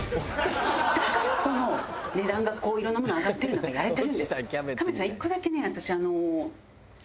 だからこの値段がこういろんなもの上がってる中やれてるんですよ。